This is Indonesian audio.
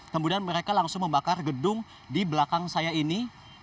kemudian mereka langsung membakar gedung di belakang saya ini